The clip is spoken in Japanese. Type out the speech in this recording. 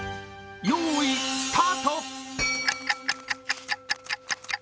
よーいスタート！